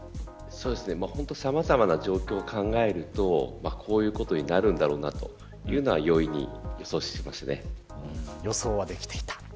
さまざまな状況を考えるとこういうことになるんだろうなというのは容易に予想はできていた。